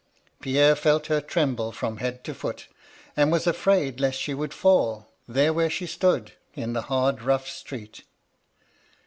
Pierre felt her tremble from head to foot, and was afraid lest she would fall, there where she stood, in the hard rough street.